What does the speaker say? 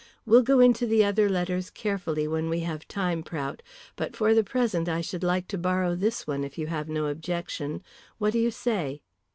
We'll go into the other letters carefully when we have time, Prout, but for the present I should like to borrow this one if you have no objection. What do you say?"